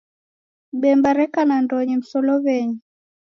Bemba reka nandonyi msolowenyi